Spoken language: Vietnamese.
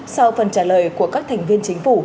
sau phần trả lời của các thành viên chính phủ